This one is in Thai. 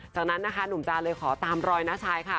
จากนั้นนะคะหนุ่มจานเลยขอตามรอยน้าชายค่ะ